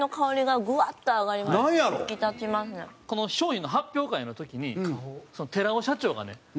この商品の発表会の時に寺尾社長がね